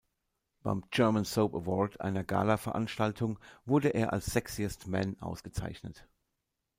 Beim German Soap Award, einer Galaveranstaltung, wurde er als "Sexiest Man" ausgezeichnet.